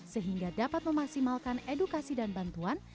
sehingga dapat memaksimalkan edukasi dan bantuan